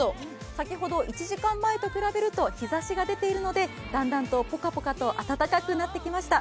先ほど１時間前と比べると日ざしが出ているのでだんだんとポカポカと暖かくなってきました。